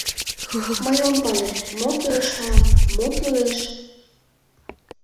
Мый ом пале: мо кӱлеш мылам, мо кӱлеш?